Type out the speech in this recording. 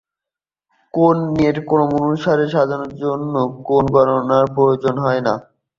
কোণের ক্রমানুসারে সাজানোর জন্য কোণ গণনার প্রয়োজন হয় না।